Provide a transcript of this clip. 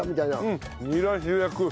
うんニラ主役。